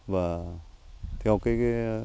và theo cái kỹ thuật này chúng tôi cũng rất tin tưởng